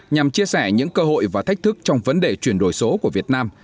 nhằm chia sẻ những cơ hội và thách thức trong vấn đề chuyển đổi số của việt nam